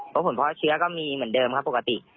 เพราะผลเพราะเชื้อก็มีเหมือนเดิมครับปกติ